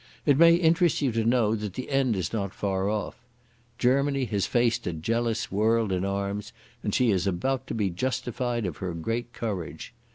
It may interest you to know that the end is not far off. Germany has faced a jealous world in arms and she is about to be justified of her great courage.